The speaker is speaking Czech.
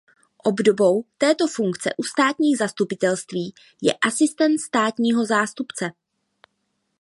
Obdobou této funkce u státních zastupitelství je asistent státního zástupce.